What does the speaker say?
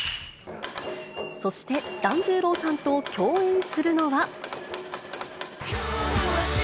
そして、團十郎さんと共演するのは。